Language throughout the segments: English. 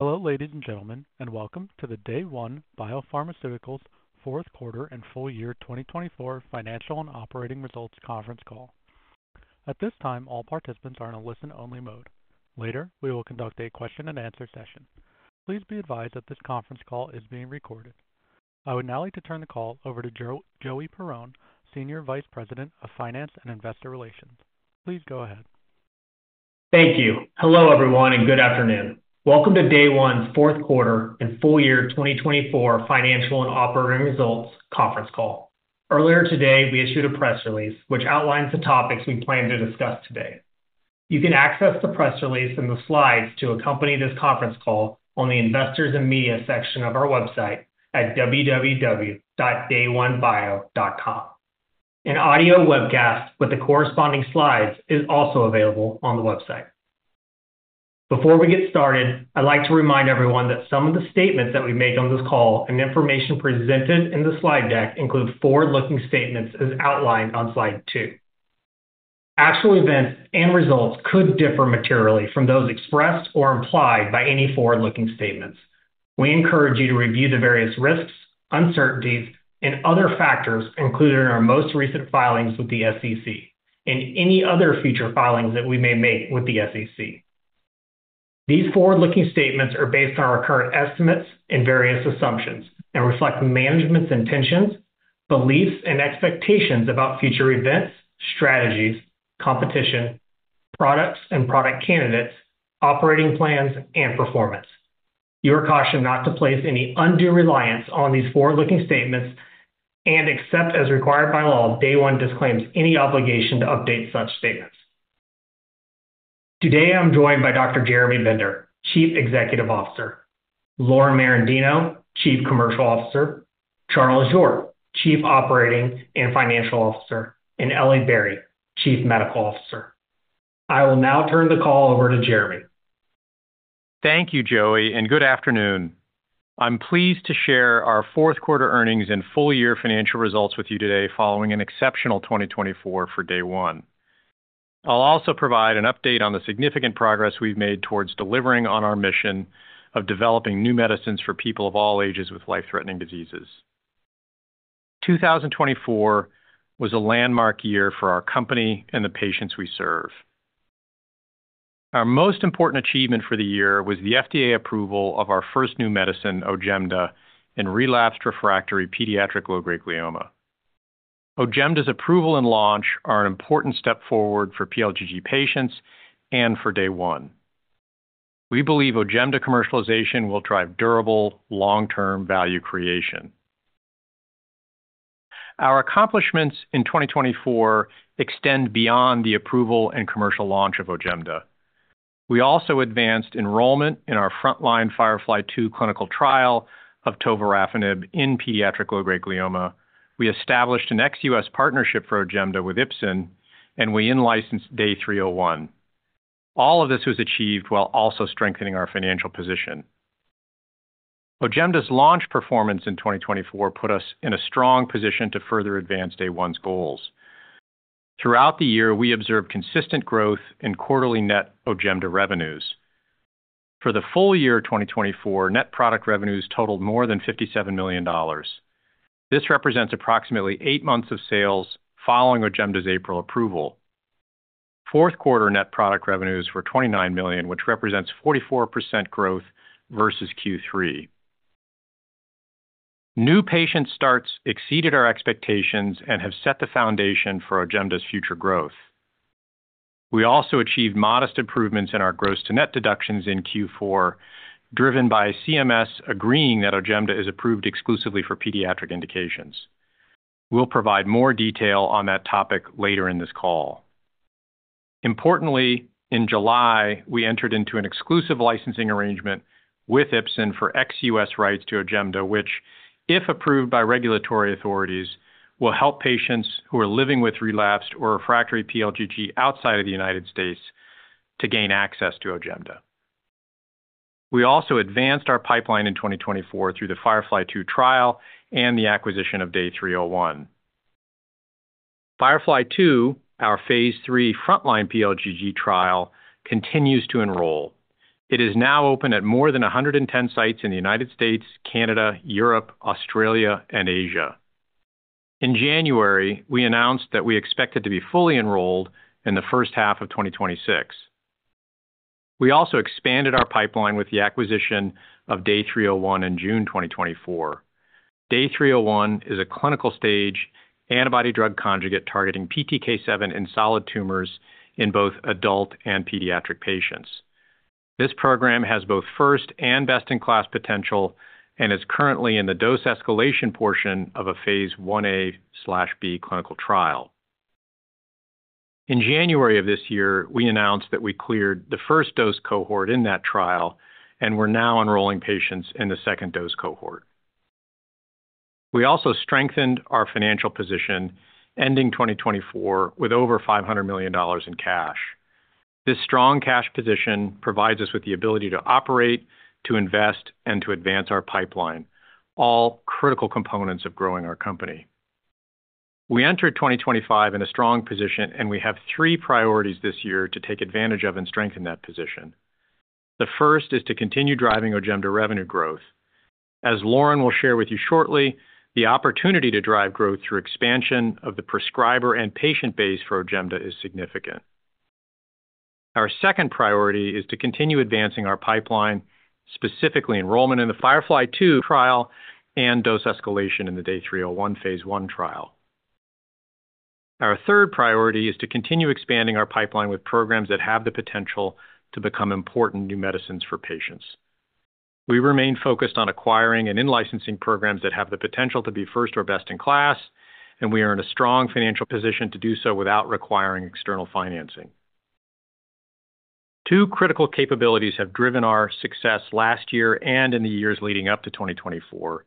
Hello, ladies and gentlemen, and welcome to the Day One Biopharmaceuticals Fourth Quarter and Full Year 2024 Financial and Operating Results Conference Call. At this time, all participants are in a listen-only mode. Later, we will conduct a question-and-answer session. Please be advised that this conference call is being recorded. I would now like to turn the call over to Joey Perrone, Senior Vice President of Finance and Investor Relations. Please go ahead. Thank you. Hello, everyone, and good afternoon. Welcome to Day One's Fourth Quarter and Full Year 2024 Financial and Operating Results Conference Call. Earlier today, we issued a press release which outlines the topics we plan to discuss today. You can access the press release and the slides to accompany this conference call on the Investors and Media section of our website at www.dayonebio.com. An audio webcast with the corresponding slides is also available on the website. Before we get started, I'd like to remind everyone that some of the statements that we make on this call and information presented in the slide deck include forward-looking statements as outlined on slide two. Actual events and results could differ materially from those expressed or implied by any forward-looking statements. We encourage you to review the various risks, uncertainties, and other factors included in our most recent filings with the SEC and any other future filings that we may make with the SEC. These forward-looking statements are based on our current estimates and various assumptions and reflect management's intentions, beliefs, and expectations about future events, strategies, competition, products and product candidates, operating plans, and performance. You are cautioned not to place any undue reliance on these forward-looking statements, and, as required by law, Day One disclaims any obligation to update such statements. Today, I'm joined by Dr. Jeremy Bender, Chief Executive Officer, Lauren Merendino, Chief Commercial Officer, Charles York, Chief Operating and Financial Officer, and Elly Barry, Chief Medical Officer. I will now turn the call over to Jeremy. Thank you, Joey, and good afternoon. I'm pleased to share our fourth quarter earnings and full year financial results with you today following an exceptional 2024 for Day One. I'll also provide an update on the significant progress we've made towards delivering on our mission of developing new medicines for people of all ages with life-threatening diseases. 2024 was a landmark year for our company and the patients we serve. Our most important achievement for the year was the FDA approval of our first new medicine, Ojemda, in relapsed refractory pediatric low-grade glioma. Ojemda's approval and launch are an important step forward for PLGG patients and for Day One. We believe Ojemda commercialization will drive durable, long-term value creation. Our accomplishments in 2024 extend beyond the approval and commercial launch of Ojemda. We also advanced enrollment in our frontline FIREFLY II clinical trial of tovorafenib in pediatric low-grade glioma. We established an ex-U.S. partnership for Ojemda with Ipsen, and we in-licensed Day 301. All of this was achieved while also strengthening our financial position. Ojemda's launch performance in 2024 put us in a strong position to further advance Day One's goals. Throughout the year, we observed consistent growth in quarterly net Ojemda revenues. For the full year of 2024, net product revenues, totaled more than $57 million. This represents approximately eight months of sales following Ojemda's April approval. Fourth quarter net product revenues, were $29 million, which represents 44%, growth versus Q3. New patient starts exceeded our expectations and have set the foundation for Ojemda's future growth. We also achieved modest improvements in our gross-to-net deductions in Q4, driven by CMS agreeing that Ojemda is approved exclusively for pediatric indications. We'll provide more detail on that topic later in this call. Importantly, in July, we entered into an exclusive licensing arrangement with Ipsen for ex-U.S. rights to Ojemda, which, if approved by regulatory authorities, will help patients who are living with relapsed or refractory PLGG outside of the United States to gain access to Ojemda. We also advanced our pipeline in 2024 through the FIREFLY II trial and the acquisition of Day 301. FIREFLY II, our phase III frontline PLGG trial, continues to enroll. It is now open at more than 110 sites in the United States, Canada, Europe, Australia, and Asia. In January, we announced that we expect it to be fully enrolled in the first half of 2026. We also expanded our pipeline with the acquisition of Day 301 in June 2024. Day 301 is a clinical stage antibody-drug conjugate targeting PTK7 in solid tumors in both adult and pediatric patients. This program has both first and best-in-class potential and is currently in the dose escalation portion of a phase IA/1B clinical trial. In January of this year, we announced that we cleared the first dose cohort in that trial and we're now enrolling patients in the second dose cohort. We also strengthened our financial position ending 2024 with over $500 million in cash. This strong cash position provides us with the ability to operate, to invest, and to advance our pipeline, all critical components of growing our company. We entered 2025 in a strong position, and we have three priorities this year to take advantage of and strengthen that position. The first is to continue driving Ojemda revenue growth. As Lauren will share with you shortly, the opportunity to drive growth through expansion of the prescriber and patient base for Ojemda is significant. Our second priority is to continue advancing our pipeline, specifically enrollment in the FIREFLY II trial and dose escalation in the Day 301 phase I trial. Our third priority is to continue expanding our pipeline with programs that have the potential to become important new medicines for patients. We remain focused on acquiring and in-licensing programs that have the potential to be first or best in class, and we are in a strong financial position to do so without requiring external financing. Two critical capabilities have driven our success last year and in the years leading up to 2024.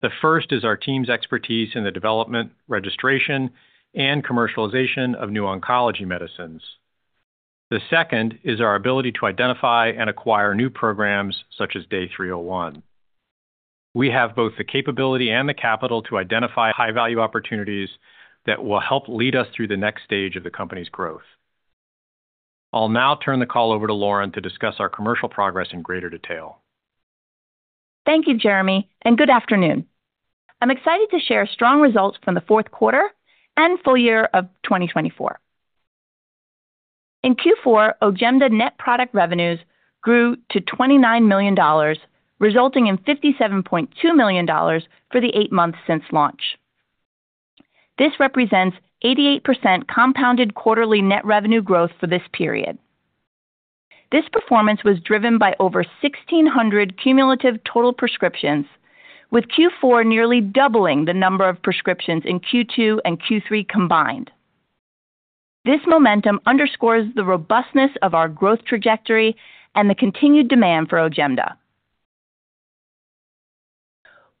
The first is our team's expertise in the development, registration, and commercialization of new oncology medicines. The second is our ability to identify and acquire new programs such as Day 301. We have both the capability and the capital to identify high-value opportunities that will help lead us through the next stage of the company's growth. I'll now turn the call over to Lauren to discuss our commercial progress in greater detail. Thank you, Jeremy, and good afternoon. I'm excited to share strong results from the fourth quarter and full year of 2024. In Q4, Ojemda net product revenues grew to $29 million, resulting in $57.2 million for the eight months since launch. This represents 88% compounded quarterly net revenue growth for this period. This performance was driven by over 1,600 cumulative total prescriptions, with Q4 nearly doubling the number of prescriptions in Q2 and Q3 combined. This momentum underscores the robustness of our growth trajectory and the continued demand for Ojemda.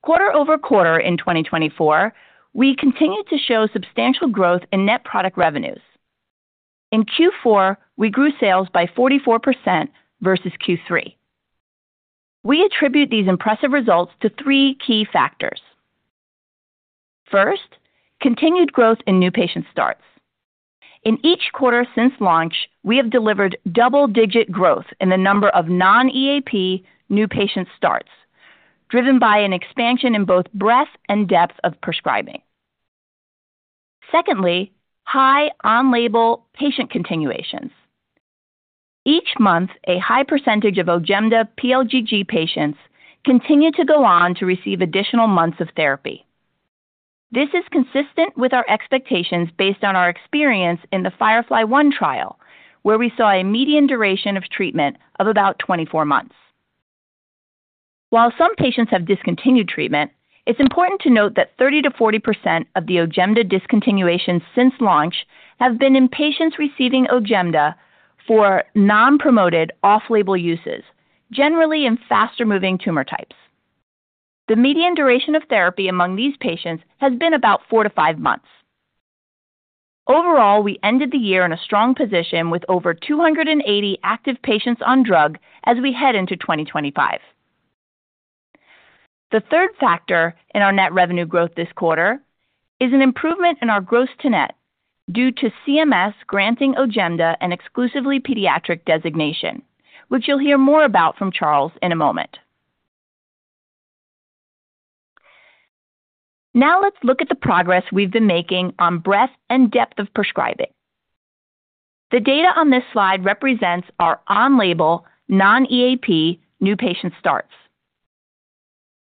Quarter over quarter in 2024, we continue to show substantial growth in net product revenues. In Q4, we grew sales by 44% versus Q3. We attribute these impressive results to three key factors. First, continued growth in new patient starts. In each quarter since launch, we have delivered double-digit growth in the number of non-EAP new patient starts, driven by an expansion in both breadth and depth of prescribing. Secondly, high on-label patient continuations. Each month, a high percentage of Ojemda PLGG patients continue to go on to receive additional months of therapy. This is consistent with our expectations based on our experience in the FIREFLY I trial, where we saw a median duration of treatment of about 24 months. While some patients have discontinued treatment, it's important to note that 30%-40% of the Ojemda discontinuations since launch have been in patients receiving Ojemda for non-promoted off-label uses, generally in faster-moving tumor types. The median duration of therapy among these patients has been about four to five months. Overall, we ended the year in a strong position with over 280 active patients on drug as we head into 2025. The third factor in our net revenue growth this quarter is an improvement in our gross-to-net due to CMS granting Ojemda an exclusively pediatric designation, which you'll hear more about from Charles in a moment. Now let's look at the progress we've been making on breadth and depth of prescribing. The data on this slide represents our on-label, non-EAP new patient starts.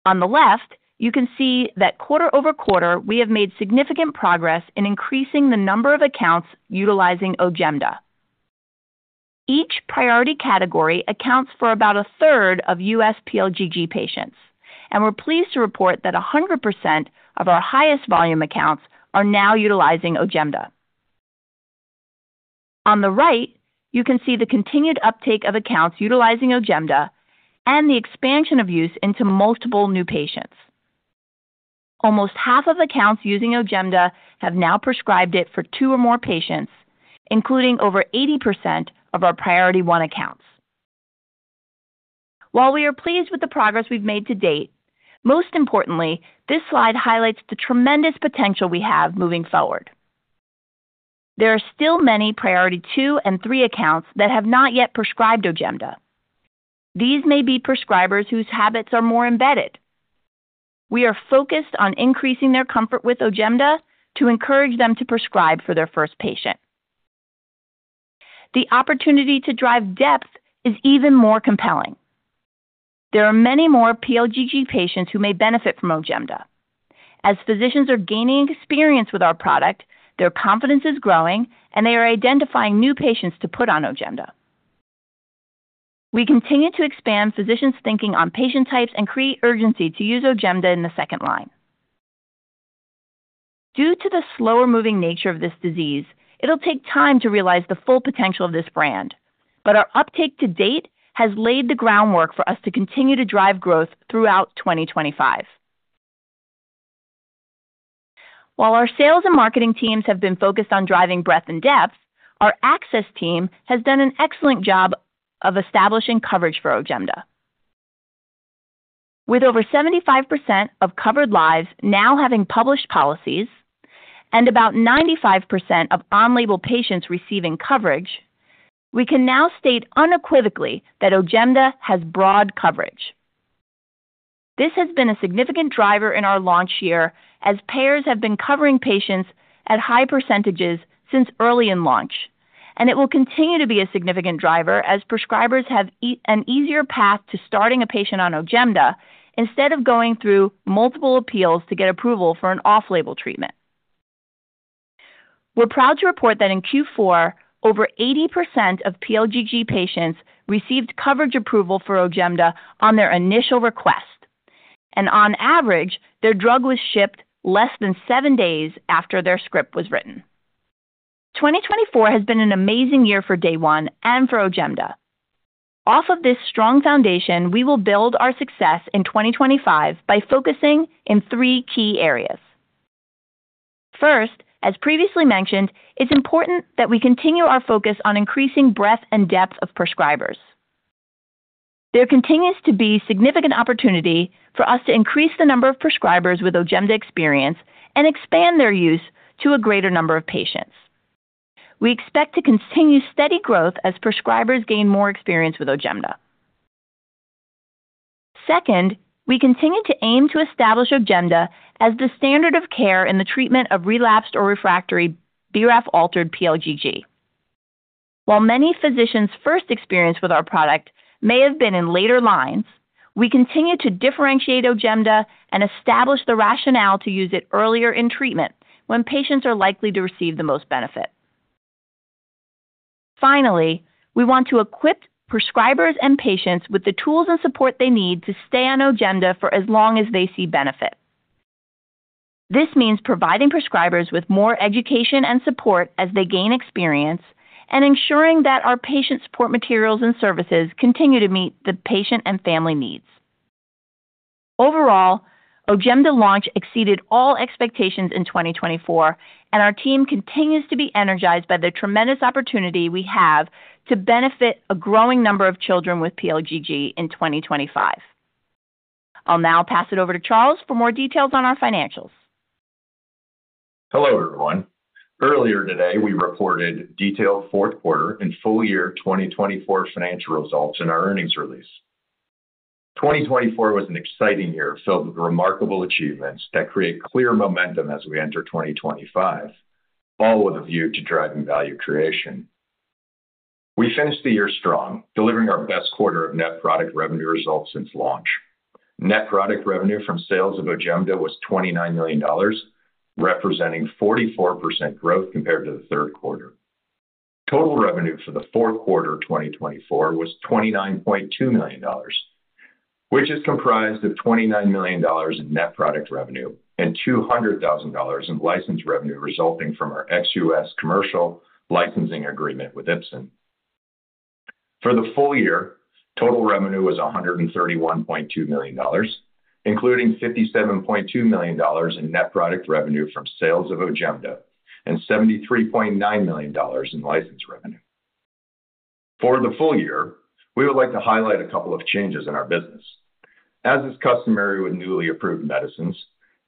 On the left, you can see that quarter over quarter, we have made significant progress in increasing the number of accounts utilizing Ojemda. Each priority category accounts for about a third of U.S. PLGG patients, and we're pleased to report that 100% of our highest volume accounts are now utilizing Ojemda. On the right, you can see the continued uptake of accounts utilizing Ojemda and the expansion of use into multiple new patients. Almost half of accounts using Ojemda have now prescribed it for two or more patients, including over 80% of our Priority 1 accounts. While we are pleased with the progress we've made to date, most importantly, this slide highlights the tremendous potential we have moving forward. There are still many Priority 2 and 3 accounts that have not yet prescribed Ojemda. These may be prescribers whose habits are more embedded. We are focused on increasing their comfort with Ojemda to encourage them to prescribe for their first patient. The opportunity to drive depth is even more compelling. There are many more PLGG patients who may benefit from Ojemda. As physicians are gaining experience with our product, their confidence is growing, and they are identifying new patients to put on Ojemda. We continue to expand physicians' thinking on patient types and create urgency to use Ojemda in the second line. Due to the slower-moving nature of this disease, it'll take time to realize the full potential of this brand, but our uptake to date has laid the groundwork for us to continue to drive growth throughout 2025. While our sales and marketing teams have been focused on driving breadth and depth, our access team has done an excellent job of establishing coverage for Ojemda. With over 75% of covered lives now having published policies and about 95% of on-label patients receiving coverage, we can now state unequivocally that Ojemda has broad coverage. This has been a significant driver in our launch year as payers have been covering patients at high percentages since early in launch, and it will continue to be a significant driver as prescribers have an easier path to starting a patient on Ojemda instead of going through multiple appeals to get approval for an off-label treatment. We're proud to report that in Q4, over 80% of PLGG patients received coverage approval for Ojemda on their initial request, and on average, their drug was shipped less than seven days after their script was written. 2024 has been an amazing year for Day One and for Ojemda. Off of this strong foundation, we will build our success in 2025 by focusing in three key areas. First, as previously mentioned, it's important that we continue our focus on increasing breadth and depth of prescribers. There continues to be significant opportunity for us to increase the number of prescribers with Ojemda experience and expand their use to a greater number of patients. We expect to continue steady growth as prescribers gain more experience with Ojemda. Second, we continue to aim to establish Ojemda as the standard of care in the treatment of relapsed or refractory BRAF-altered PLGG. While many physicians' first experience with our product may have been in later lines, we continue to differentiate Ojemda and establish the rationale to use it earlier in treatment when patients are likely to receive the most benefit. Finally, we want to equip prescribers and patients with the tools and support they need to stay on Ojemda for as long as they see benefit. This means providing prescribers with more education and support as they gain experience and ensuring that our patient support materials and services continue to meet the patient and family needs. Overall, Ojemda launch exceeded all expectations in 2024, and our team continues to be energized by the tremendous opportunity we have to benefit a growing number of children with PLGG in 2025. I'll now pass it over to Charles for more details on our financials. Hello, everyone. Earlier today, we reported detailed fourth quarter and full year 2024 financial results in our earnings release. 2024 was an exciting year filled with remarkable achievements that create clear momentum as we enter 2025, all with a view to driving value creation. We finished the year strong, delivering our best quarter of net product revenue results since launch. Net product revenue from sales of Ojemda was $29 million, representing 44% growth compared to the third quarter. Total revenue for the fourth quarter of 2024 was $29.2 million, which is comprised of $29 million in net product revenue and $200,000 in license revenue resulting from our ex-U.S. commercial licensing agreement with Ipsen. For the full year, total revenue was $131.2 million, including $57.2 million in net product revenue from sales of Ojemda and $73.9 million in license revenue. For the full year, we would like to highlight a couple of changes in our business. As is customary with newly approved medicines,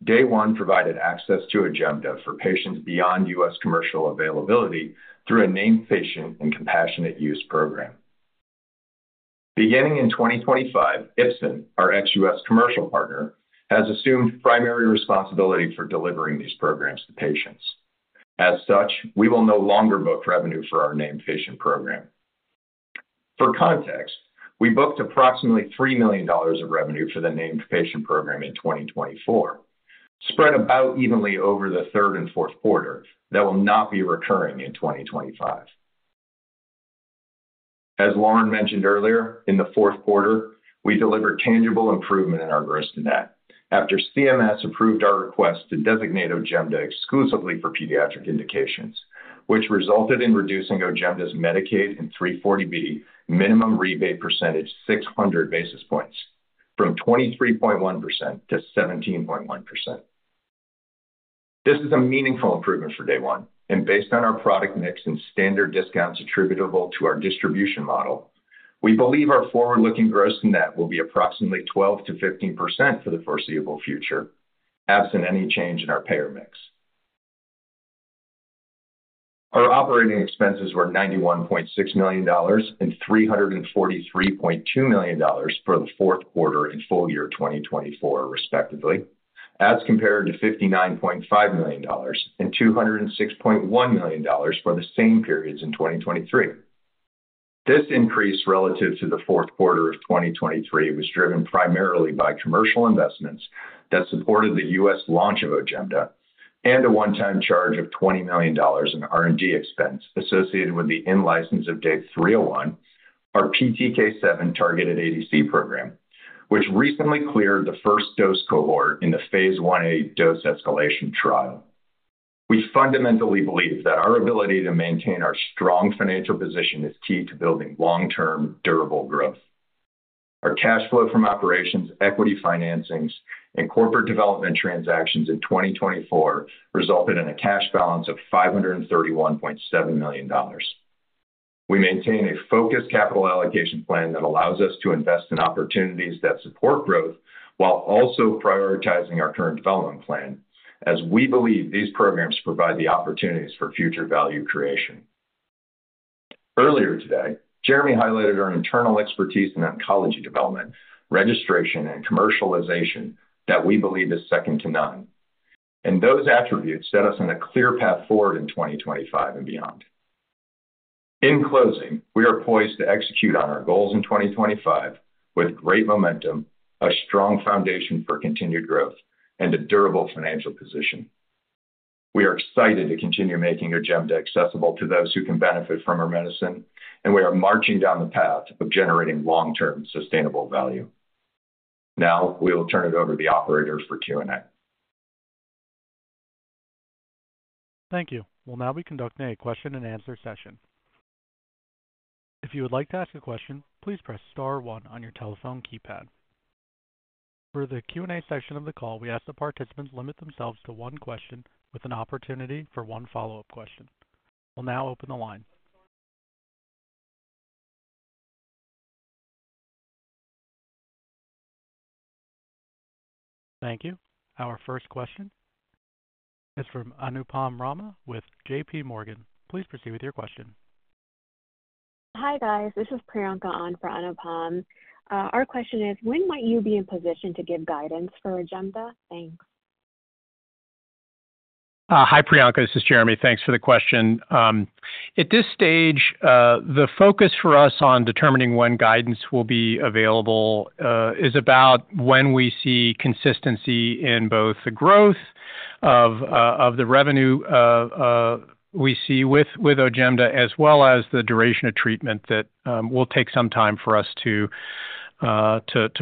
Day One provided access to Ojemda for patients beyond U.S. commercial availability through a named patient and compassionate use program. Beginning in 2025, Ipsen, our ex-U.S. commercial partner, has assumed primary responsibility for delivering these programs to patients. As such, we will no longer book revenue for our named patient program. For context, we booked approximately $3 million of revenue for the named patient program in 2024, spread about evenly over the third and fourth quarter that will not be recurring in 2025. As Lauren mentioned earlier, in the fourth quarter, we delivered tangible improvement in our gross-to-net. After CMS approved our request to designate Ojemda exclusively for pediatric indications, which resulted in reducing Ojemda's Medicaid and 340B minimum rebate percentage 600 basis points from 23.1% to 17.1%. This is a meaningful improvement for Day One, and based on our product mix and standard discounts attributable to our distribution model, we believe our forward-looking gross-to-net will be approximately 12%-15% for the foreseeable future, absent any change in our payer mix. Our operating expenses were $91.6 million and $343.2 million for the fourth quarter and full year 2024, respectively, as compared to $59.5 million and $206.1 million for the same periods in 2023. This increase relative to the fourth quarter of 2023 was driven primarily by commercial investments that supported the U.S. Launch of Ojemda and a one-time charge of $20 million in R&D expense associated with the in-license of Day 301, our PTK7 targeted ADC program, which recently cleared the first dose cohort in the phase 1A dose escalation trial. We fundamentally believe that our ability to maintain our strong financial position is key to building long-term, durable growth. Our cash flow from operations, equity financings, and corporate development transactions in 2024 resulted in a cash balance of $531.7 million. We maintain a focused capital allocation plan that allows us to invest in opportunities that support growth while also prioritizing our current development plan, as we believe these programs provide the opportunities for future value creation. Earlier today, Jeremy highlighted our internal expertise in oncology development, registration, and commercialization that we believe is second to none. And those attributes set us on a clear path forward in 2025 and beyond. In closing, we are poised to execute on our goals in 2025 with great momentum, a strong foundation for continued growth, and a durable financial position. We are excited to continue making Ojemda accessible to those who can benefit from our medicine, and we are marching down the path of generating long-term sustainable value. Now, we will turn it over to the operators for Q&A. Thank you. We'll now be conducting a question-and-answer session. If you would like to ask a question, please press star one on your telephone keypad. For the Q&A session of the call, we ask the participants limit themselves to one question with an opportunity for one follow-up question. We'll now open the line. Thank you. Our first question is from Anupam Rama with J.P. Morgan. Please proceed with your question. Hi, guys. This is Priyanka An for Anupam. Our question is, when might you be in position to give guidance for Ojemda? Thanks. Hi, Priyanka. This is Jeremy. Thanks for the question. At this stage, the focus for us on determining when guidance will be available is about when we see consistency in both the growth of the revenue we see with Ojemda as well as the duration of treatment that will take some time for us to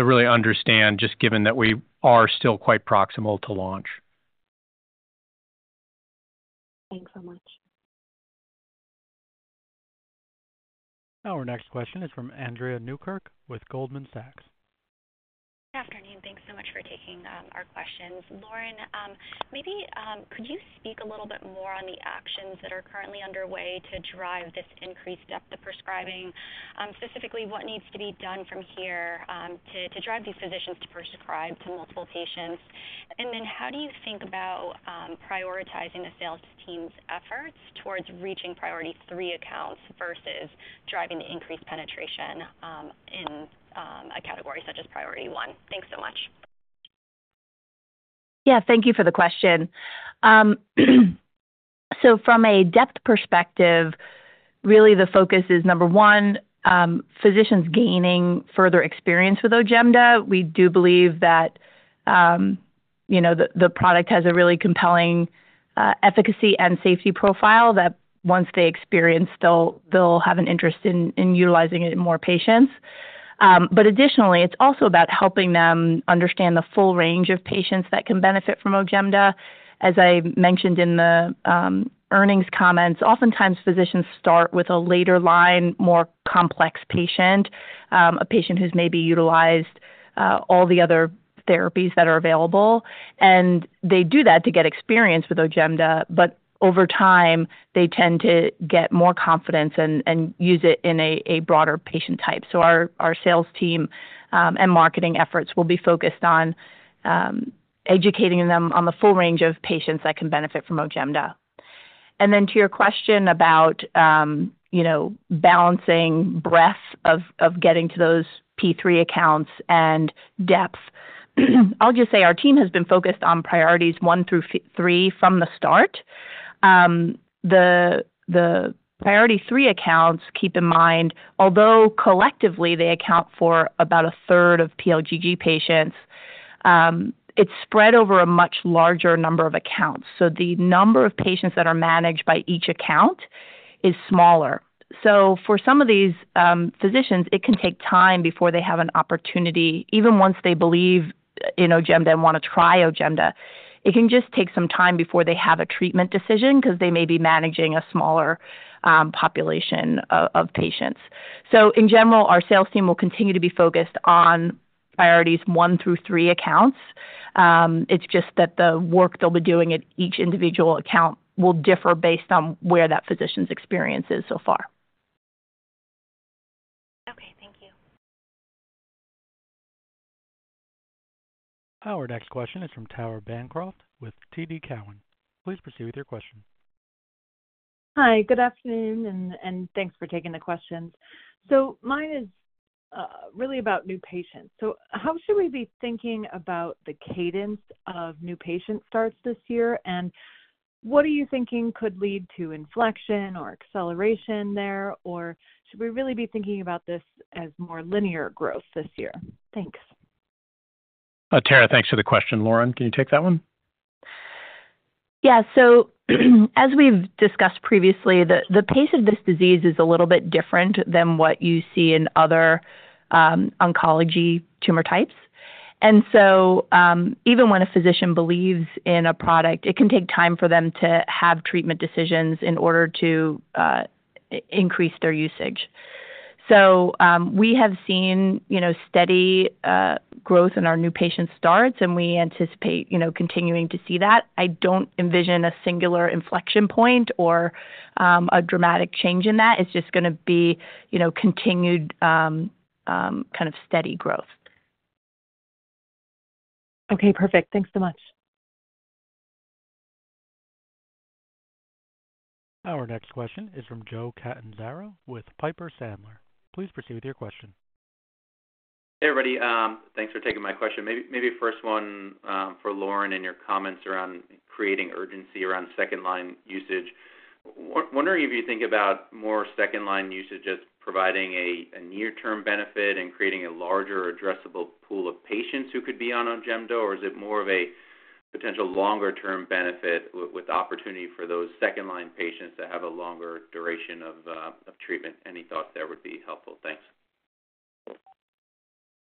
really understand, just given that we are still quite proximal to launch. Thanks so much. Our next question is from Andrea Newkirk, with Goldman Sachs. Good afternoon. Thanks so much for taking our questions. Lauren, maybe could you speak a little bit more on the actions that are currently underway to drive this increased depth of prescribing, specifically what needs to be done from here to drive these physicians to prescribe to multiple patients? And then how do you think about prioritizing the sales team's efforts towards reaching Priority 3 accounts versus driving the increased penetration in a category such as Priority 1? Thanks so much. Yeah, thank you for the question. So from a depth perspective, really the focus is, number one, physicians gaining further experience with Ojemda. We do believe that the product has a really compelling efficacy and safety profile that once they experience, they'll have an interest in utilizing it in more patients. But additionally, it's also about helping them understand the full range of patients that can benefit from Ojemda. As I mentioned in the earnings comments, oftentimes physicians start with a later line, more complex patient, a patient who's maybe utilized all the other therapies that are available. And they do that to get experience with Ojemda, but over time, they tend to get more confidence and use it in a broader patient type. So our sales team and marketing efforts will be focused on educating them on the full range of patients that can benefit from Ojemda. And then to your question about balancing breadth of getting to those P3 accounts and depth, I'll just say our team has been focused on priorities one through three from the start. The priority three accounts, keep in mind, although collectively they account for about a third of PLGG patients, it's spread over a much larger number of accounts. So the number of patients that are managed by each account is smaller. So for some of these physicians, it can take time before they have an opportunity, even once they believe in Ojemda and want to try Ojemda. It can just take some time before they have a treatment decision because they may be managing a smaller population of patients. So in general, our sales team will continue to be focused on priorities one through three accounts. It's just that the work they'll be doing at each individual account will differ based on where that physician's experience is so far. Okay. Thank you. Our next question is from Tara Bancroft, with TD Cowen. Please proceed with your question. Hi. Good afternoon, and thanks for taking the questions. So mine is really about new patients. So how should we be thinking about the cadence of new patient starts this year? And what are you thinking could lead to inflection or acceleration there? Or should we really be thinking about this as more linear growth this year? Thanks. Tara, thanks for the question. Lauren, can you take that one? Yeah. So as we've discussed previously, the pace of this disease is a little bit different than what you see in other oncology tumor types. And so even when a physician believes in a product, it can take time for them to have treatment decisions in order to increase their usage. So we have seen steady growth in our new patient starts, and we anticipate continuing to see that. I don't envision a singular inflection point or a dramatic change in that. It's just going to be continued kind of steady growth. Okay. Perfect. Thanks so much. Our next question is from Joe Catanzaro with Piper Sandler. Please proceed with your question. Hey, everybody. Thanks for taking my question. Maybe first one for Lauren and your comments around creating urgency around second-line usage. Wondering if you think about more second-line usage as providing a near-term benefit and creating a larger addressable pool of patients who could be on Ojemda, or is it more of a potential longer-term benefit with opportunity for those second-line patients that have a longer duration of treatment? Any thoughts there would be helpful. Thanks.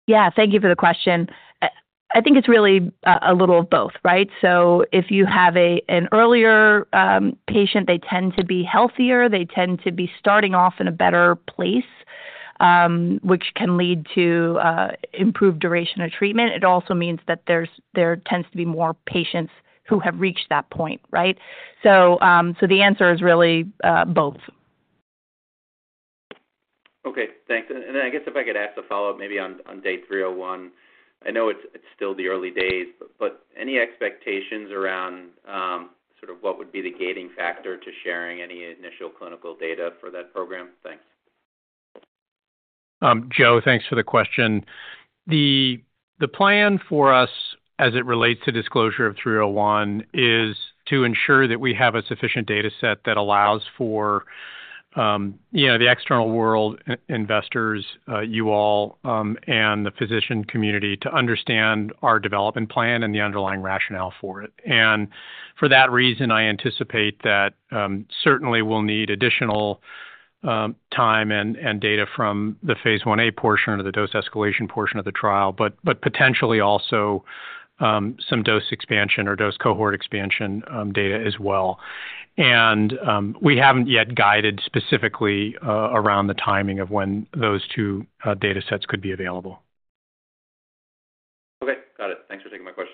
Yeah. Thank you for the question. I think it's really a little of both, right? So if you have an earlier patient, they tend to be healthier. They tend to be starting off in a better place, which can lead to improved duration of treatment. It also means that there tends to be more patients who have reached that point, right? So the answer is really both. Okay. Thanks. And then I guess if I could ask a follow-up maybe on Day 301, I know it's still the early days, but any expectations around sort of what would be the gating factor to sharing any initial clinical data for that program? Thanks. Joe, thanks for the question. The plan for us as it relates to disclosure of Day 301 is to ensure that we have a sufficient data set that allows for the external world, investors, you all, and the physician community to understand our development plan and the underlying rationale for it. And for that reason, I anticipate that certainly we'll need additional time and data from the phase IA portion or the dose escalation portion of the trial, but potentially also some dose expansion or dose cohort expansion data as well. And we haven't yet guided specifically around the timing of when those two data sets could be available. Okay. Got it. Thanks for taking my question.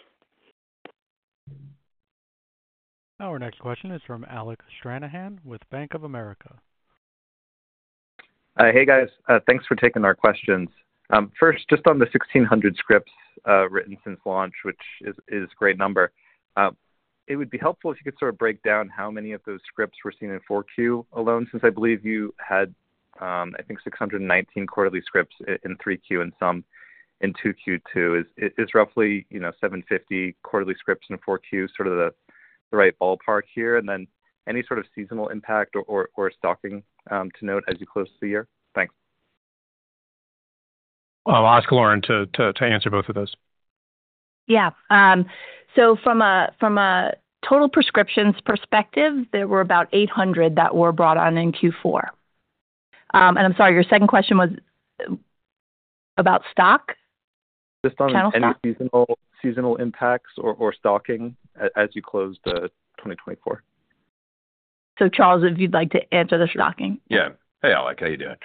Our next question is from Alec Stranahan with Bank of America. Hey, guys. Thanks for taking our questions. First, just on the 1,600 scripts written since launch, which is a great number, it would be helpful if you could sort of break down how many of those scripts were seen in 4Q alone, since I believe you had, I think, 619 quarterly scripts in 3Q and some in 2Q too. Is roughly 750 quarterly scripts in 4Q sort of the right ballpark here? And then any sort of seasonal impact or stocking to note as you close the year? Thanks. I'll ask Lauren to answer both of those. Yeah. From a total prescriptions perspective, there were about 800 that were brought on in Q4. I'm sorry, your second question was about stock? Just on any seasonal impacts or stocking as you close the 2024? So Charles, if you'd like to answer the stocking. Yeah. Hey, Alec, how are you doing?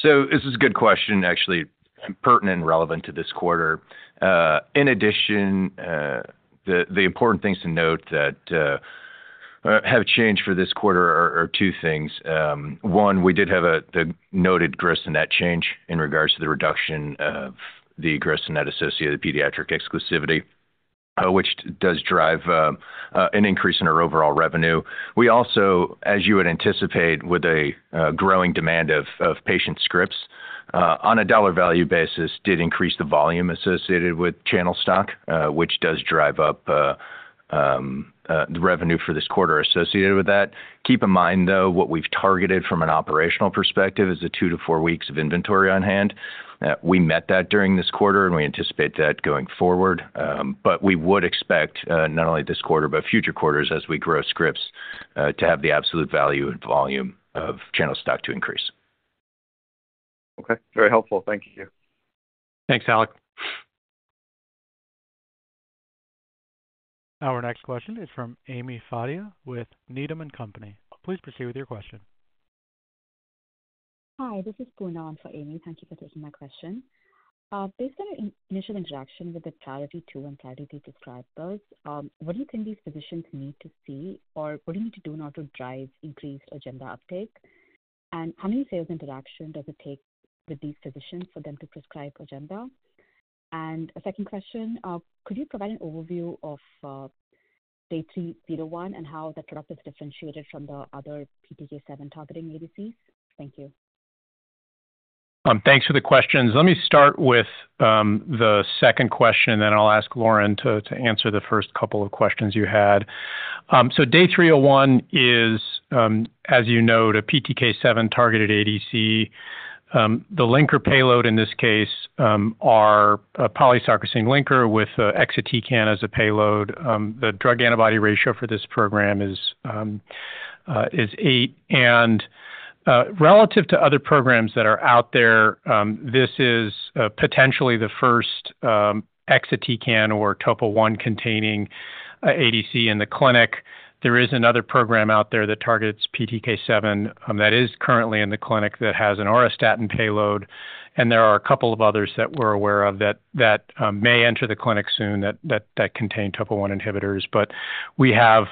So this is a good question, actually, pertinent and relevant to this quarter. In addition, the important things to note that have changed for this quarter are two things. One, we did have the noted gross-to-net change in regards to the reduction of the gross-to-net associated with pediatric exclusivity, which does drive an increase in our overall revenue. We also, as you would anticipate, with a growing demand of patient scripts on a dollar value basis, did increase the volume associated with channel stock, which does drive up the revenue for this quarter associated with that. Keep in mind, though, what we've targeted from an operational perspective is the two to four weeks of inventory on hand. We met that during this quarter, and we anticipate that going forward. We would expect not only this quarter, but future quarters as we grow scripts to have the absolute value and volume of channel stock to increase. Okay. Very helpful. Thank you. Thanks, Alec. Our next question is from Amy Fadia with Needham & Company. Please proceed with your question. Hi. This is Purner An for Amy. Thank you for taking my question. Based on your initial interaction with the priority two and priority three prescribers, what do you think these physicians need to see, or what do you need to do in order to drive increased Ojemda uptake? And how many sales interactions does it take with these physicians for them to prescribe Ojemda? And a second question, could you provide an overview of Day 301 and how the product is differentiated from the other PTK7 targeting ADCs? Thank you. Thanks for the questions. Let me start with the second question, and then I'll ask Lauren to answer the first couple of questions you had. So Day 301 is, as you know, the PTK7 targeted ADC. The linker payload in this case are polysarcosine linker with exatecan as a payload. The drug antibody ratio for this program is eight. And relative to other programs that are out there, this is potentially the first exatecan or TOPO1 containing ADC in the clinic. There is another program out there that targets PTK7 that is currently in the clinic that has an auristatin payload. And there are a couple of others that we're aware of that may enter the clinic soon that contain TOPO1 inhibitors. But we have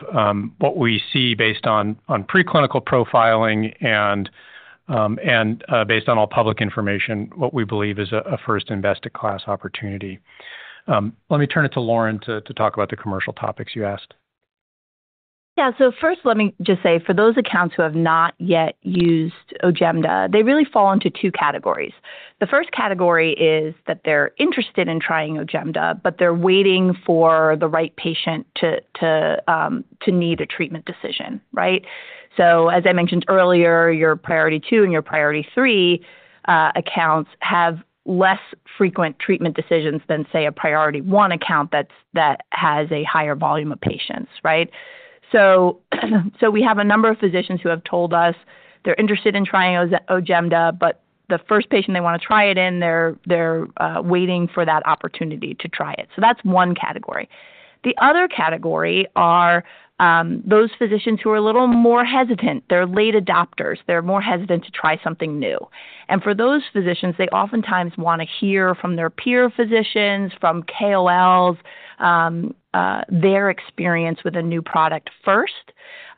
what we see based on preclinical profiling and based on all public information, what we believe is a first-in-class opportunity. Let me turn it to Lauren to talk about the commercial topics you asked. Yeah. So first, let me just say, for those accounts who have not yet used Ojemda, they really fall into two categories. The first category is that they're interested in trying Ojemda, but they're waiting for the right patient to need a treatment decision, right? So as I mentioned earlier, your priority two and your priority three accounts have less frequent treatment decisions than, say, a priority one account that has a higher volume of patients, right? So we have a number of physicians who have told us they're interested in trying Ojemda, but the first patient they want to try it in, they're waiting for that opportunity to try it. So that's one category. The other category are those physicians who are a little more hesitant. They're late adopters. They're more hesitant to try something new. And for those physicians, they oftentimes want to hear from their peer physicians, from KOLs, their experience with a new product first.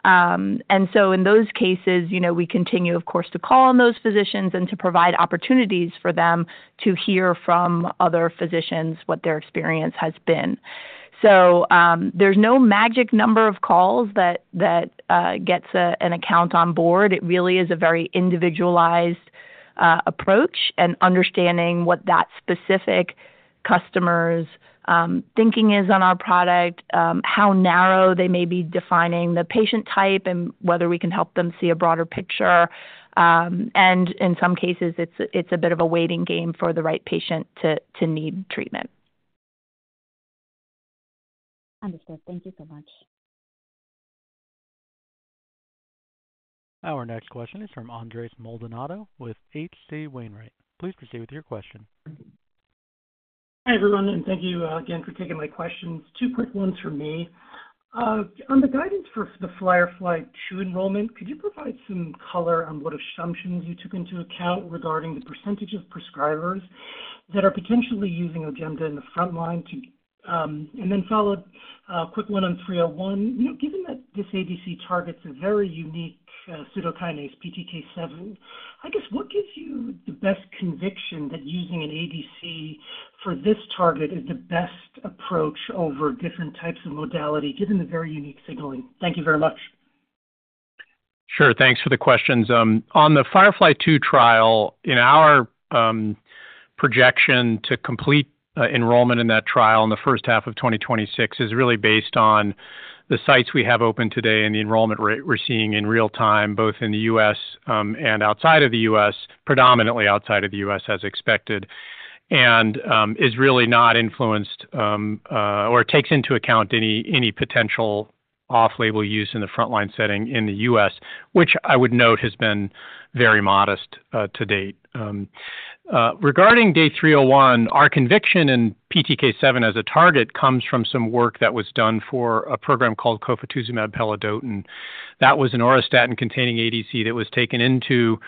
And so in those cases, we continue, of course, to call on those physicians and to provide opportunities for them to hear from other physicians what their experience has been. So there's no magic number of calls that gets an account on board. It really is a very individualized approach and understanding what that specific customer's thinking is on our product, how narrow they may be defining the patient type and whether we can help them see a broader picture. And in some cases, it's a bit of a waiting game for the right patient to need treatment. Understood. Thank you so much. Our next question is from Andres Maldonado with H.C. Wainwright. Please proceed with your question. Hi, everyone. And thank you again for taking my questions. Two quick ones for me. On the guidance for the FIREFLY-2 enrollment, could you provide some color on what assumptions you took into account regarding the percentage of prescribers that are potentially using Ojemda in the front line? And then followed a quick one on 301. Given that this ADC targets a very unique pseudokinase PTK7, I guess what gives you the best conviction that using an ADC for this target is the best approach over different types of modality given the very unique signaling? Thank you very much. Sure. Thanks for the questions. On the FIREFLY-2 trial, in our projection to complete enrollment in that trial in the first half of 2026 is really based on the sites we have open today and the enrollment rate we're seeing in real time, both in the U.S. and outside of the U.S., predominantly outside of the U.S., as expected, and is really not influenced or takes into account any potential off-label use in the frontline setting in the U.S., which I would note has been very modest to date. Regarding Day 301, our conviction in PTK7 as a target comes from some work that was done for a program called cofetuzumab pelidotin. That was an auristatin-containing ADC that was taken into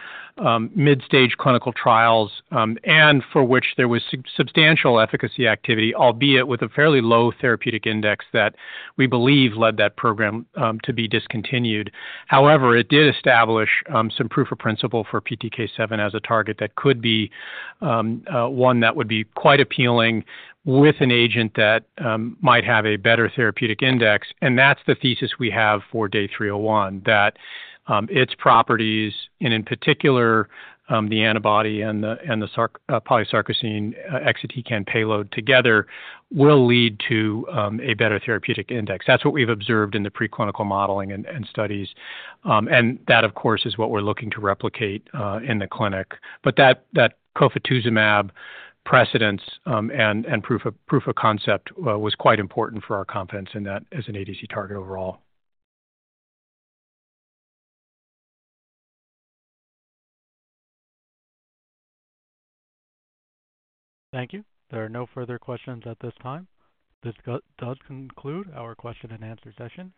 mid-stage clinical trials and for which there was substantial efficacy activity, albeit with a fairly low therapeutic index that we believe led that program to be discontinued. However, it did establish some proof of principle for PTK7 as a target that could be one that would be quite appealing with an agent that might have a better therapeutic index. And that's the thesis we have for Day 301, that its properties, and in particular, the antibody and the polysarcosine exatecan payload together will lead to a better therapeutic index. That's what we've observed in the preclinical modeling and studies. And that, of course, is what we're looking to replicate in the clinic. But that cofetuzumab precedence and proof of concept was quite important for our confidence in that as an ADC target overall. Thank you. There are no further questions at this time. This does conclude our question and answer session.